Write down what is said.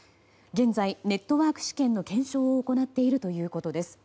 現在、ネットワーク試験の検証を行っているということです。